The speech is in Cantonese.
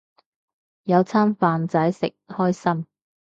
有餐飯仔食，開心